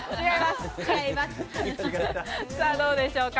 どうでしょうか。